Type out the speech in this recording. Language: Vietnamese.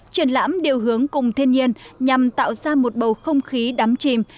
triển lãm điều hướng cùng thiên nhiên nhằm tạo ra một bầu không khí đắm chìm